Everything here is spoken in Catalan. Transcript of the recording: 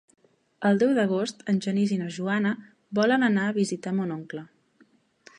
El deu d'agost en Genís i na Joana volen anar a visitar mon oncle.